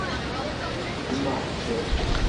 Ṣeggmeɣ-t.